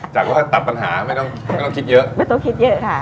จากตัดปัญหาไม่ต้องตอบคิดเยอะ